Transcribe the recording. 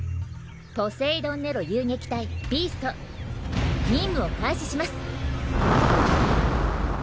ポセイドン・ネロ遊撃隊獣王任務を開始します。